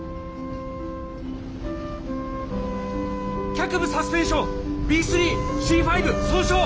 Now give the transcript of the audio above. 脚部サスペンションＢ３Ｃ５損傷！